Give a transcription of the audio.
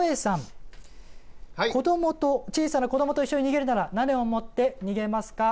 小さな子どもと一緒に逃げるなら何を持って逃げますか？